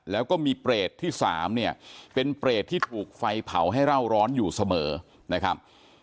แล้วก็มีเปรตที่๓เนี่ยเป็นเปรตที่ถูกไฟเผาให้เล่าร้อนอยู่เสมอนะครับ